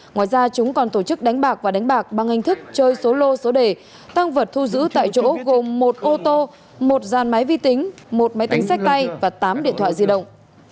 ngoài ra chúng còn tổ chức đánh bạc và đánh bạc bằng hình thức chơi số lô số đề tăng vật thu giữ tại chỗ gồm một ô tô một giàn máy vi tính một máy tính sách tay và tám điện thoại di động